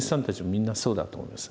みんなそうだと思います。